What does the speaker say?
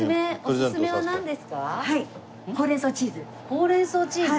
ほうれん草チーズ！